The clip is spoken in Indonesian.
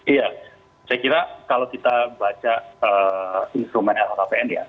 iya saya kira kalau kita baca instrumen lhkpn ya